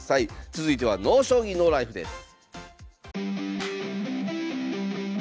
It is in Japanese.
続いては「ＮＯ将棋ＮＯＬＩＦＥ」です。